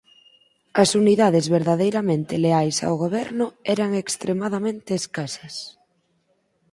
As unidades verdadeiramente leais ao Goberno eran extremadamente escasas.